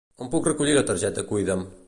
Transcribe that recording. On puc recollir la targeta Cuida'm?